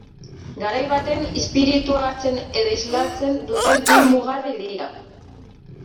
Garai baten izpiritua hartzen edo islatzen duten bi mugarri dira.